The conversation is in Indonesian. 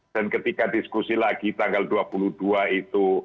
dan ketika diskusi lagi tanggal dua puluh dua itu terjadi